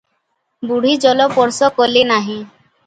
ବୁଢ଼ୀ ଜଳସ୍ପର୍ଶ କଲେ ନାହିଁ ।